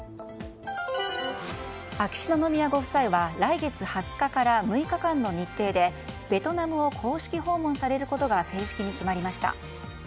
秋篠宮ご夫妻は来月２０日から５日間の日程でベトナムを公式訪問されることが正式に決まりました。